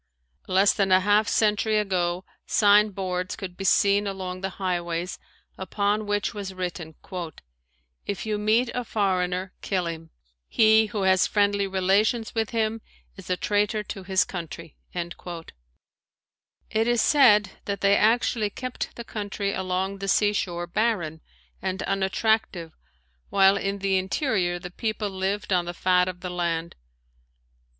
Less than a half century ago signboards could be seen along the highways upon which was written: "If you meet a foreigner, kill him; he who has friendly relations with him is a traitor to his country." It is said that they actually kept the country along the sea shore barren and unattractive while in the interior the people lived on the fat of the land.